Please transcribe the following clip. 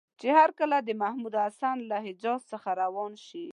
چې هرکله محمودالحسن له حجاز څخه روان شي.